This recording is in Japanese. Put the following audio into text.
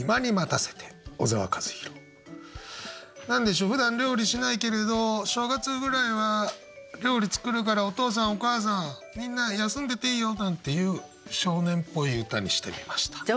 何でしょうふだん料理しないけれど正月ぐらいは料理作るからお父さんお母さんみんな休んでていいよなんていう少年っぽい歌にしてみました。